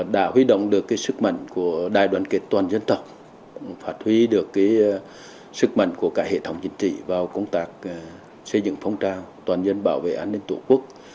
đã huy động được sức mạnh của đài đoàn kết toàn dân tộc phát huy được sức mạnh của cả hệ thống chính trị vào công tác xây dựng phong trào toàn dân bảo vệ an ninh tổ quốc